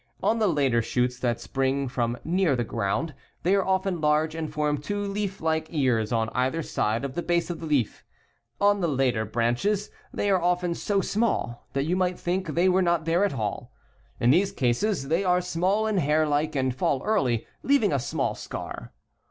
On the later shoots that spring from near the ground they are often large and form two leaflike ears on either side of the base of the leaf (Fig. 9). On the later branches they are often so small that you might think they were not there at all. In these cases they are small and hairlike and fall early, leaving a small scar.